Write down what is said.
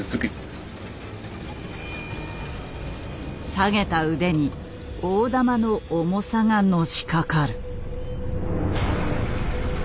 下げた腕に大玉の重さがのしかかる。